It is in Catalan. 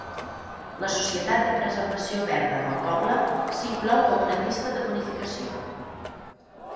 "La societat de preservació verda del poble" s'inclou com una pista de bonificació.